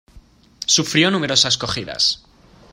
Sufrió numerosas cogidas.